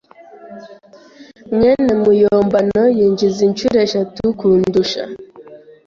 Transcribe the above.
mwene muyombano yinjiza inshuro eshatu kundusha.